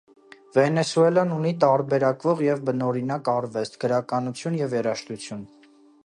Վենեսուելան ունի տարբերակվող և բնօրինակ արվեստ, գրականություն և երաժշտություն։